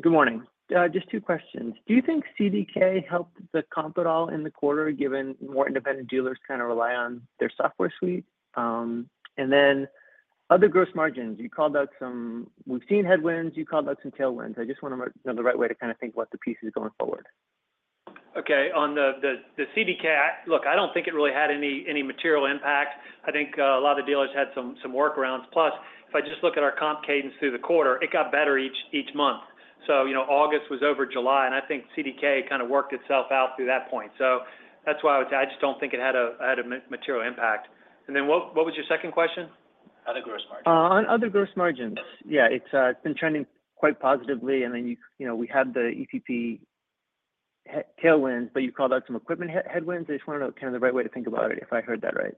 good morning. Just two questions. Do you think CDK helped the comps at all in the quarter, given more independent dealers kind of rely on their software suite? And then other gross margins, you called out some. We've seen headwinds, you called out some tailwinds. I just want to know the right way to kind of think what the piece is going forward. Okay. On the CDK, look, I don't think it really had any material impact. I think a lot of the dealers had some workarounds. Plus, if I just look at our comp cadence through the quarter, it got better each month. So, you know, August was over July, and I think CDK kind of worked itself out through that point. So that's why I would say, I just don't think it had a material impact. And then what was your second question? Other gross margin. On other gross margins. Yeah, it's been trending quite positively, and then, you know, we had the EPP tailwinds, but you called out some equipment headwinds. I just want to know kind of the right way to think about it, if I heard that right.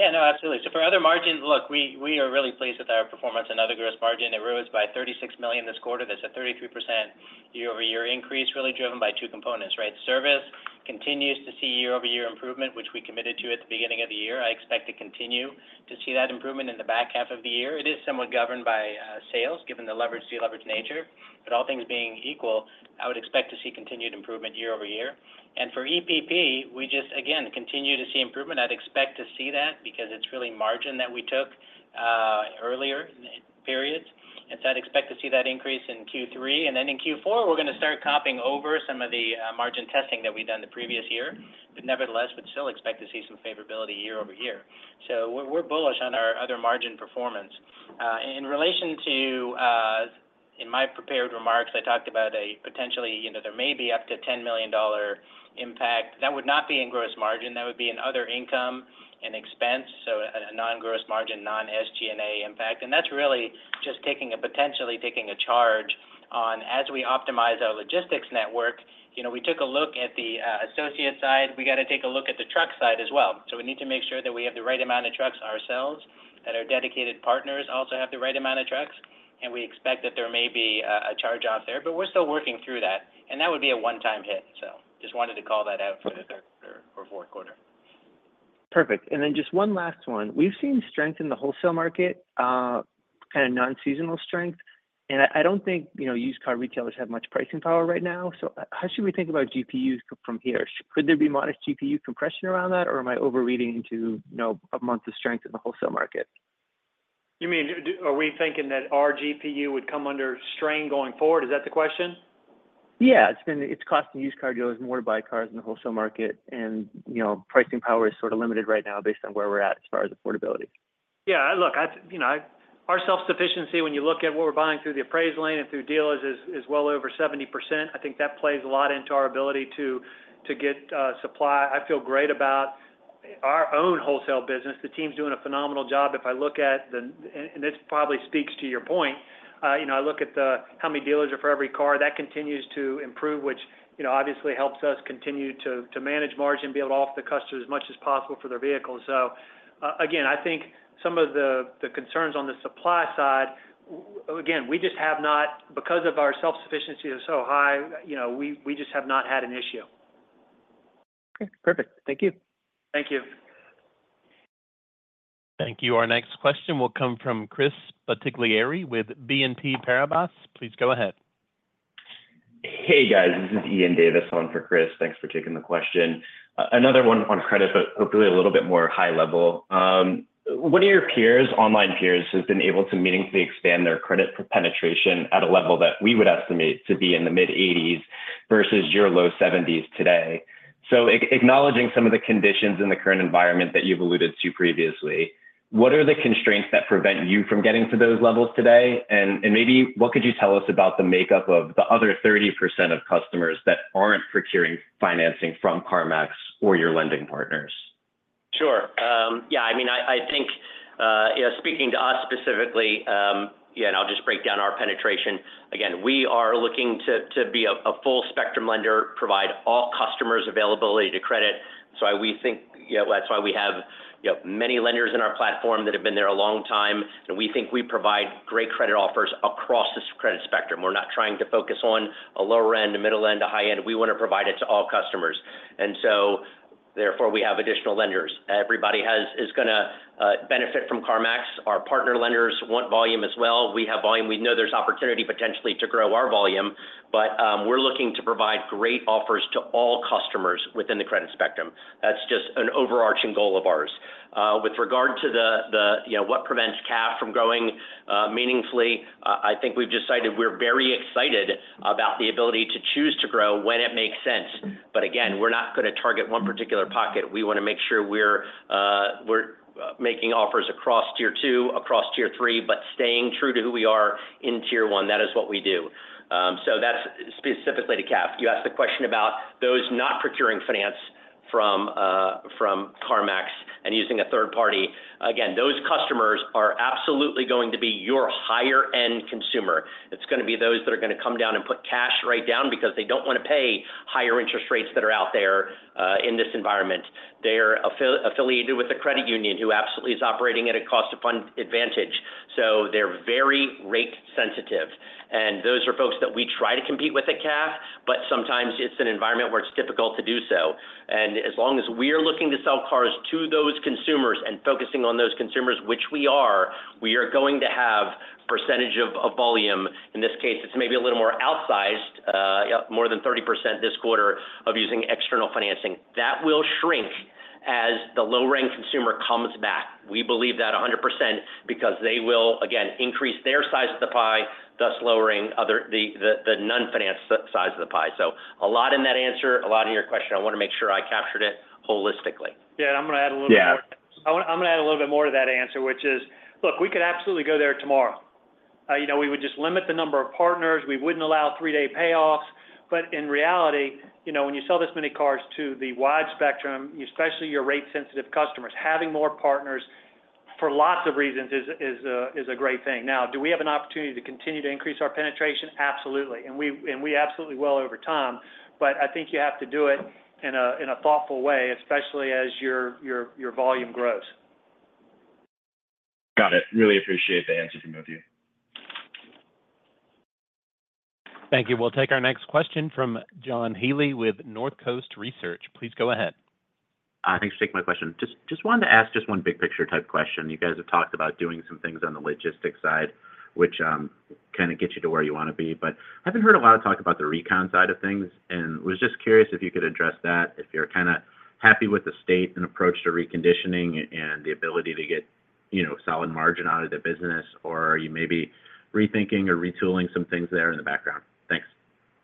Yeah, no, absolutely. So for other margins, look, we are really pleased with our performance and other gross margin. It rose by $36 million this quarter. That's a 33% year-over-year increase, really driven by two components, right? Service continues to see year-over-year improvement, which we committed to at the beginning of the year. I expect to continue to see that improvement in the back half of the year. It is somewhat governed by sales, given the leverage to leverage nature. But all things being equal, I would expect to see continued improvement year over year. And for EPP, we just, again, continue to see improvement. I'd expect to see that because it's really margin that we took earlier in periods. And so I'd expect to see that increase in Q3, and then in Q4, we're going to start carrying over some of the margin testing that we've done the previous year. But nevertheless, we'd still expect to see some favorability year over year. So we're bullish on our other margin performance. In relation to, in my prepared remarks, I talked about a potentially, you know, there may be up to $10 million impact. That would not be in gross margin. That would be in other income and expense, so a non-gross margin, non-SG&A impact. And that's really just potentially taking a charge as we optimize our logistics network, you know, we took a look at the associate side. We got to take a look at the truck side as well. So we need to make sure that we have the right amount of trucks ourselves, that our dedicated partners also have the right amount of trucks, and we expect that there may be a charge off there, but we're still working through that, and that would be a one-time hit. So just wanted to call that out for the third or fourth quarter. Perfect. And then just one last one. We've seen strength in the wholesale market, kind of non-seasonal strength, and I don't think, you know, used car retailers have much pricing power right now. So how should we think about GPUs from here? Could there be modest GPU compression around that, or am I overreading into, you know, a month of strength in the wholesale market? You mean, are we thinking that our GPU would come under strain going forward? Is that the question? Yeah. It's costing used car dealers more to buy cars in the wholesale market, and, you know, pricing power is sort of limited right now based on where we're at as far as affordability. Yeah, look, you know, our self-sufficiency, when you look at what we're buying through the appraisal lane and through dealers, is well over 70%. I think that plays a lot into our ability to get supply. I feel great about our own wholesale business. The team's doing a phenomenal job. This probably speaks to your point, you know, I look at the how many dealers are for every car, that continues to improve, which, you know, obviously helps us continue to manage margin, be able to offer the customer as much as possible for their vehicles. So, again, I think some of the concerns on the supply side, again, we just have not because of our self-sufficiency is so high, you know, we just have not had an issue. Okay, perfect. Thank you. Thank you. Thank you. Our next question will come from Chris Bottiglieri with BNP Paribas. Please go ahead. Hey, guys, this is Ian Davis on for Chris. Thanks for taking the question. Another one on credit, but hopefully a little bit more high level. One of your peers, online peers, has been able to meaningfully expand their credit penetration at a level that we would estimate to be in the mid-80s% versus your low 70s% today. So acknowledging some of the conditions in the current environment that you've alluded to previously, what are the constraints that prevent you from getting to those levels today? And maybe what could you tell us about the makeup of the other 30% of customers that aren't procuring financing from CarMax or your lending partners? Sure. Yeah, I mean, I think, you know, speaking to us specifically, yeah, and I'll just break down our penetration. Again, we are looking to be a full spectrum lender, provide all customers availability to credit. So we think, yeah, that's why we have, you know, many lenders in our platform that have been there a long time, and we think we provide great credit offers across this credit spectrum. We're not trying to focus on a lower end, a middle end, a high end. We want to provide it to all customers. And so therefore, we have additional lenders. Everybody is going to benefit from CarMax. Our partner lenders want volume as well. We have volume. We know there's opportunity potentially to grow our volume, but we're looking to provide great offers to all customers within the credit spectrum. That's just an overarching goal of ours. With regard to, you know, what prevents CAF from growing meaningfully, I think we've decided we're very excited about the ability to choose to grow when it makes sense. But again, we're not going to target one particular pocket. We want to make sure we're making offers across Tier Two, across Tier Three, but staying true to who we are in Tier One. That is what we do. So that's specifically to CAF. You asked the question about those not procuring finance from CarMax and using a third party. Again, those customers are absolutely going to be your higher-end consumer. It's going to be those that are going to come down and put cash right down because they don't want to pay higher interest rates that are out there in this environment. They are affiliated with the credit union, who absolutely is operating at a cost of fund advantage. So they're very rate sensitive, and those are folks that we try to compete with at CAF, but sometimes it's an environment where it's difficult to do so. And as long as we're looking to sell cars to those consumers and focusing on those consumers, which we are, we are going to have percentage of volume. In this case, it's maybe a little more outsized, more than 30% this quarter of using external financing. That will shrink as the low-rank consumer comes back. We believe that 100%, because they will, again, increase their size of the pie, thus lowering other, the non-finance size of the pie. So a lot in that answer, a lot in your question. I wanna make sure I captured it holistically. Yeah, I'm gonna add a little bit more- Yeah. I'm gonna add a little bit more to that answer, which is, look, we could absolutely go there tomorrow. You know, we would just limit the number of partners. We wouldn't allow three-day payoffs. But in reality, you know, when you sell this many cars to the wide spectrum, especially your rate-sensitive customers, having more partners, for lots of reasons, is a great thing. Now, do we have an opportunity to continue to increase our penetration? Absolutely, and we absolutely will over time. But I think you have to do it in a thoughtful way, especially as your volume grows. Got it. Really appreciate the answers from both of you. Thank you. We'll take our next question from John Healy with NorthCoast Research. Please go ahead. Thanks for taking my question. Just wanted to ask just one big-picture-type question. You guys have talked about doing some things on the logistics side, which kind of get you to where you want to be, but I haven't heard a lot of talk about the recon side of things, and was just curious if you could address that, if you're kinda happy with the state and approach to reconditioning and the ability to get, you know, solid margin out of the business, or are you maybe rethinking or retooling some things there in the background?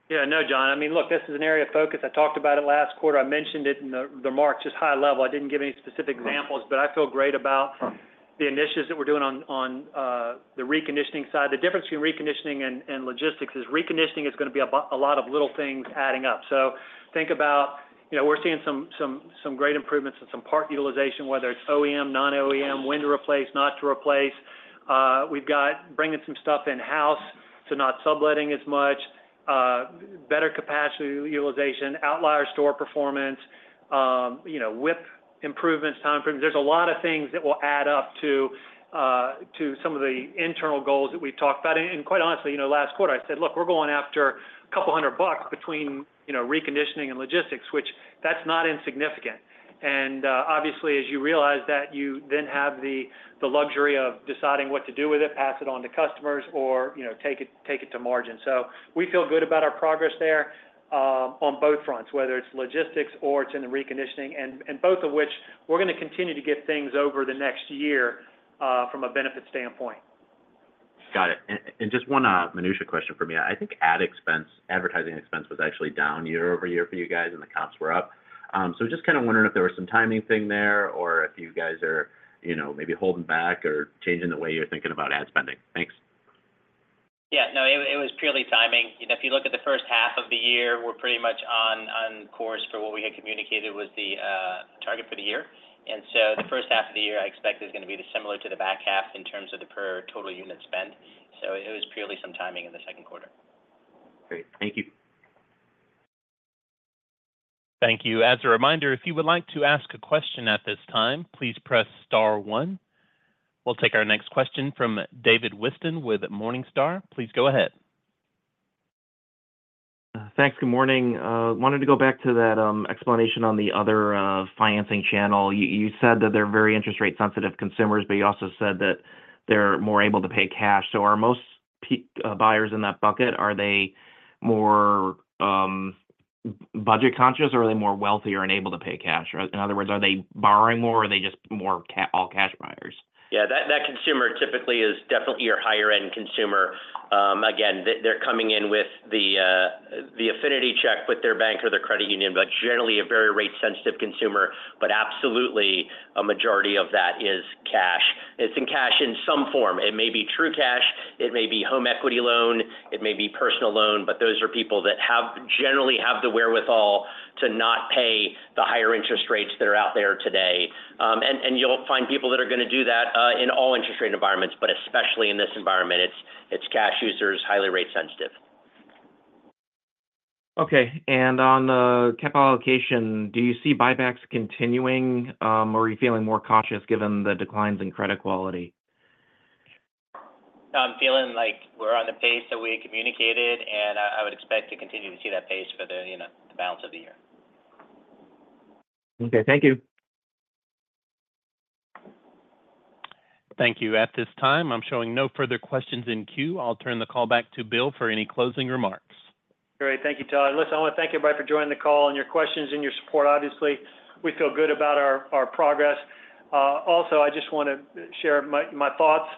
Thanks. Yeah, no, John. I mean, look, this is an area of focus. I talked about it last quarter. I mentioned it in the remarks, just high level. I didn't give any specific examples, but I feel great about the initiatives that we're doing on the reconditioning side. The difference between reconditioning and logistics is reconditioning is gonna be a lot of little things adding up. So think about, you know, we're seeing some great improvements in some part utilization, whether it's OEM, non-OEM, when to replace, not to replace. We've got bringing some stuff in-house, so not subletting as much, better capacity utilization, outlier store performance, you know, WIP improvements, time frames. There's a lot of things that will add up to some of the internal goals that we've talked about. Quite honestly, you know, last quarter, I said, "Look, we're going after a couple hundred bucks between, you know, reconditioning and logistics," which, that's not insignificant. Obviously, as you realize that, you then have the luxury of deciding what to do with it, pass it on to customers, or, you know, take it to margin. So we feel good about our progress there, on both fronts, whether it's logistics or it's in the reconditioning, and both of which we're gonna continue to get things over the next year, from a benefit standpoint. Got it. And just one minutiae question from me. I think ad expense, advertising expense was actually down year over year for you guys, and the costs were up. So just kind of wondering if there was some timing thing there, or if you guys are, you know, maybe holding back or changing the way you're thinking about ad spending. Thanks. Yeah, no, it was purely timing. You know, if you look at the first half of the year, we're pretty much on course for what we had communicated was the target for the year. And so the first half of the year, I expect, is gonna be the similar to the back half in terms of the per total unit spend. So it was purely some timing in the second quarter. Great. Thank you. Thank you. As a reminder, if you would like to ask a question at this time, please press star one. We'll take our next question from David Whiston with Morningstar. Please go ahead. Thanks. Good morning. Wanted to go back to that explanation on the other financing channel. You said that they're very interest rate sensitive consumers, but you also said that they're more able to pay cash. So are most buyers in that bucket more budget conscious, or are they more wealthier and able to pay cash? Or in other words, are they borrowing more, or are they just more all-cash buyers? Yeah, that consumer typically is definitely your higher-end consumer. Again, they're coming in with the affinity check with their bank or their credit union, but generally a very rate-sensitive consumer, but absolutely a majority of that is cash. It's in cash in some form. It may be true cash, it may be home equity loan, it may be personal loan, but those are people that generally have the wherewithal to not pay the higher interest rates that are out there today, and you'll find people that are gonna do that in all interest rate environments, but especially in this environment. It's cash users, highly rate sensitive. Okay, and on the capital allocation, do you see buybacks continuing, or are you feeling more cautious given the declines in credit quality? I'm feeling like we're on the pace that we had communicated, and I would expect to continue to see that pace for the, you know, the balance of the year. Okay. Thank you. Thank you. At this time, I'm showing no further questions in queue. I'll turn the call back to Bill for any closing remarks. Great. Thank you, Todd. Listen, I wanna thank everybody for joining the call and your questions and your support. Obviously, we feel good about our progress. Also, I just want to share my thoughts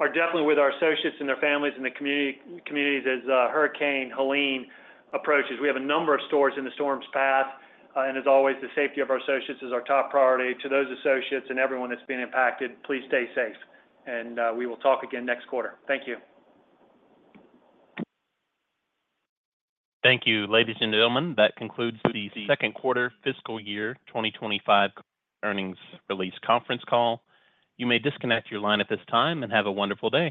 are definitely with our associates and their families and the communities as Hurricane Helene approaches. We have a number of stores in the storm's path, and as always, the safety of our associates is our top priority. To those associates and everyone that's been impacted, please stay safe, and we will talk again next quarter. Thank you. Thank you. Ladies and gentlemen, that concludes the second quarter fiscal year twenty twenty-five earnings release conference call. You may disconnect your line at this time, and have a wonderful day.